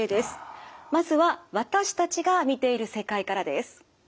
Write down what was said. まずは私たちが見ている世界からです。